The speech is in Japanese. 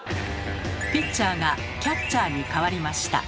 ピッチャーがキャッチャーに変わりました。